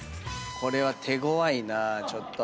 これは手ごわいなぁちょっと。